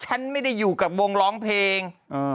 ฉันไม่ได้อยู่กับวงร้องเพลง